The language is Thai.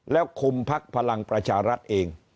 แล้วคุมพักพลังประชารัฐเอง